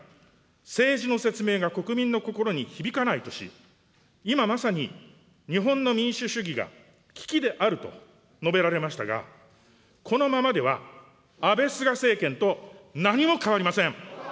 政治の説明が国民の心に響かないとし、今まさに日本の民主主義が危機であると述べられましたが、このままでは安倍・菅政権と何も変わりません。